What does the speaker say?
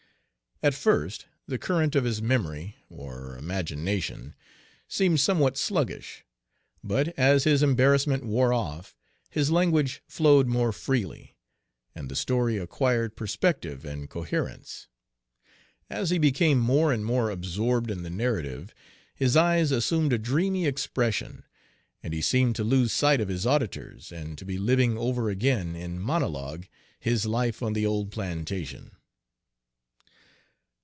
At first the current of his memory or imagination seemed somewhat sluggish; but as his embarrassment wore off, his language flowed more freely, and the story acquired perspective and coherence. As he became more and more absorbed in the narrative, his eyes assumed a dreamy expression, and he seemed to lose sight of his auditors, and to be living over Page 13 again in monologue his life on the old plantation.